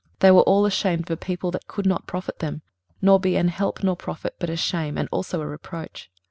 23:030:005 They were all ashamed of a people that could not profit them, nor be an help nor profit, but a shame, and also a reproach.